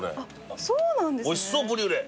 おいしそうブリュレ。